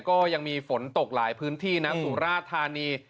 ก็ยังมีฝนตกหลายพื้นที่นะสุราธานี